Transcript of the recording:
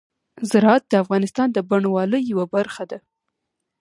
زراعت د افغانستان د بڼوالۍ یوه برخه ده.